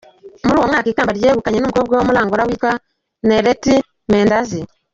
Muri uwo mwaka ikamba ryegukanwe n’umukobwa wo muri Angola witwa Nerite Mendezi.